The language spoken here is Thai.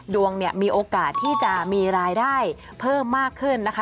ดวงเนี่ยมีโอกาสที่จะมีรายได้เพิ่มมากขึ้นนะคะ